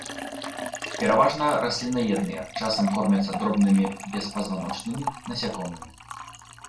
Пераважна расліннаедныя, часам кормяцца дробнымі беспазваночнымі, насякомымі.